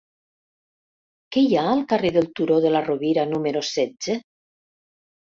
Què hi ha al carrer del Turó de la Rovira número setze?